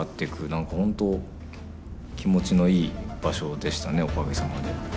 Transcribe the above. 何か本当気持ちのいい場所でしたねおかげさまで。